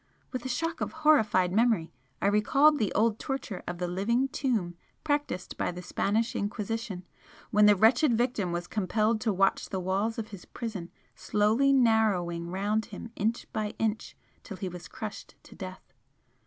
With a shock of horrified memory I recalled the old torture of the 'living tomb' practised by the Spanish Inquisition, when the wretched victim was compelled to watch the walls of his prison slowly narrowing round him inch by inch till he was crushed to death.